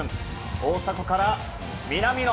大迫から南野。